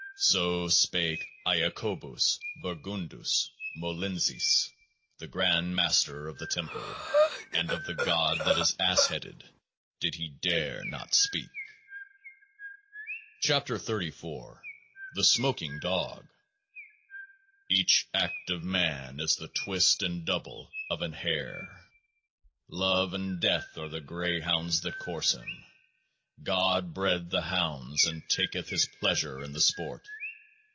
So spake IACOBUS BURGUNDUS MO LENSIS 17 the Grand Master of the Temple ; and of the GOD that is Ass headed did he dare not speak. 43 KEOAAH AA THE SMOKING DOG 18 Each act of man is the twist and double of an hare. Love and death are the greyhounds that course him. God bred the hounds and taketh His pleasure in the sport.